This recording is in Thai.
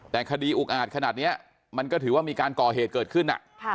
แต่คดีอุกอาจขนาดนี้มันก็ถือว่ามีการก่อเหตุเกิดขึ้น